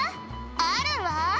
あるわ！」